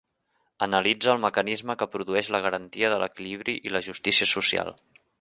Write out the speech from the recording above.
Analitze el mecanisme que produeix la garantia de l’equilibri i la justícia social.